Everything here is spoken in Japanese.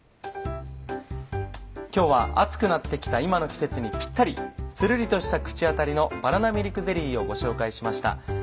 今日は暑くなってきた今の季節にピッタリつるりとした口当たりの「バナナミルクゼリー」をご紹介しました。